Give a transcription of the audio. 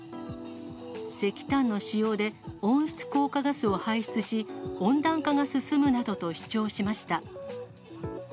石炭の使用で温室効果ガスを排出し、温暖化が進むなどと主張しました。